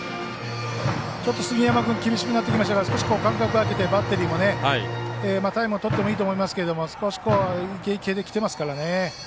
ちょっと杉山君厳しくなってきましたから少し間隔を空けてバッテリーもタイムをとってもいいと思いますけど、少しいけいけで、きてますからね。